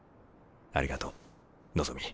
ありがとう望。